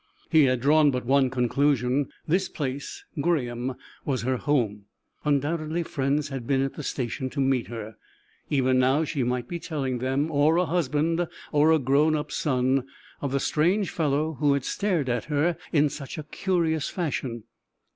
He had drawn but one conclusion. This place Graham was her home; undoubtedly friends had been at the station to meet her; even now she might be telling them, or a husband, or a grown up son, of the strange fellow who had stared at her in such a curious fashion.